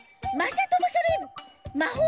まさともそれま